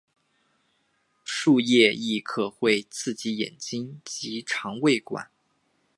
树液亦可能会刺激眼睛及胃肠管。